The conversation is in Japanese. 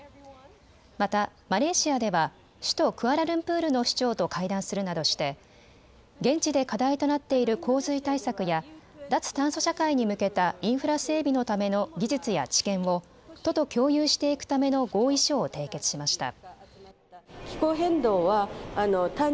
またマレーシアでは首都クアラルンプールの市長と会談するなどして現地で課題となっている洪水対策や脱炭素社会に向けたインフラ整備のための技術や知見を都と共有していくための合意書を締結しました。